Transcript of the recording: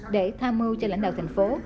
để tham mưu cho lãnh đạo thành phố